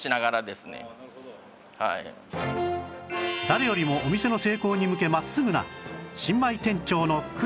誰よりもお店の成功に向け真っすぐな新米店長の呉さん